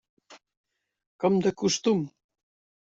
Com de costum.